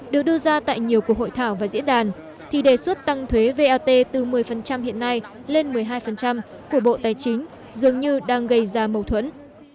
được đưa ra tại nhiều cuộc hội thảo và diễn đàn thì đề xuất tăng thuế vat từ một mươi hiện nay lên một mươi hai của bộ tài chính dường như đang gây ra mâu thuẫn